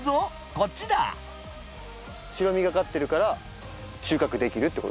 こっちだ白みがかってるから収穫できるってことですよね。